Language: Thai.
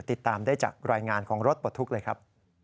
ติดตามได้จากรายงานของรถปลดทุกข์เลยครับ